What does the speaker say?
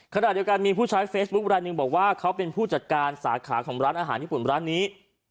ขณะเดียวกันมีผู้ใช้เฟซบุ๊คไลนึงบอกว่าเขาเป็นผู้จัดการสาขาของร้านอาหารญี่ปุ่นร้านนี้